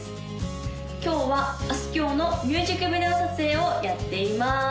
今日はあすきょうのミュージックビデオ撮影をやっています